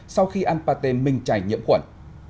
sau khi anpate minh trải nhiễm khuẩn